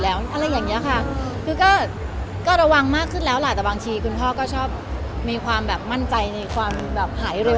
จากที่ตีบข้างขวาหรือข้างซ้ายก็จะไปตีบที่อื่นแล้ว